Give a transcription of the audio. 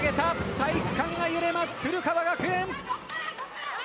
体育館が揺れます、古川学園。